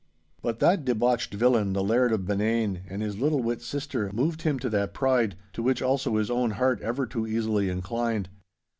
But that debauched villain, the Laird of Benane, and his little wit sister, moved him to that pride, to which also his own heart ever too easily inclined.